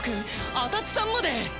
安立さんまで！